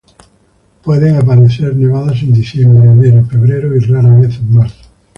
Pueden aparecer nevadas en diciembre, enero, febrero y, rara vez, en marzo.